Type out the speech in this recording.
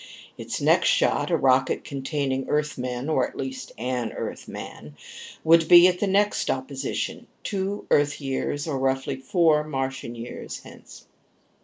Its next shot, a rocket containing Earthmen, or at least an Earthman, would be at the next opposition, two Earth years, or roughly four Martian years, hence.